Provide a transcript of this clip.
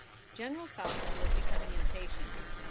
General Falcon was becoming impatient.